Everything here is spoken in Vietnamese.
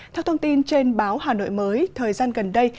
theo thông tin trên báo hà nội mới thời gian gần đây